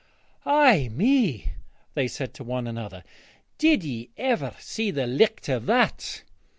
'Ay me,' they said to one another, 'did ye ever see the licht o' that?'